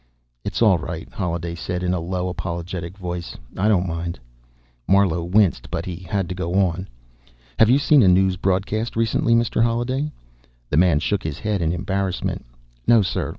"It's all right," Holliday said in a low, apologetic voice. "I don't mind." Marlowe winced, but he had to go on. "Have you seen a news broadcast recently, Mr. Holliday?" The man shook his head in embarrassment. "No, sir.